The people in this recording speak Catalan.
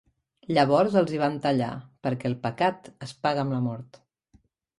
Llavors els hi van tallar, perquè el pecat es paga amb la mort.